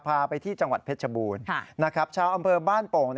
พาไปที่จังหวัดเพชรบูรณ์ชาวอำเภอบ้านโป่ง